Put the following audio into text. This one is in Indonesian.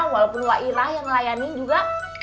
walaupun wairah yang ngelayanin juga